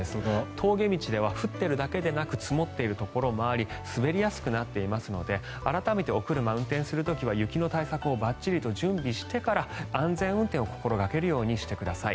峠道では、降っているだけでなく積もっているところもあり滑りやすくなっていますので改めて、お車を運転する時は雪の対策をばっちりと準備してから安全運転を心掛けるようにしてください。